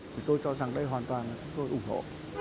thì tôi cho rằng đây hoàn toàn tôi ủng hộ